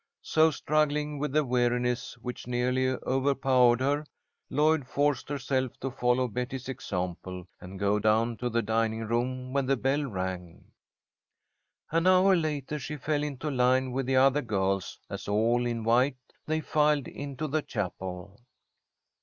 So struggling with the weariness which nearly overpowered her, Lloyd forced herself to follow Betty's example, and go down to the dining room when the bell rang. An hour later she fell into line with the other girls, as, all in white, they filed into the chapel.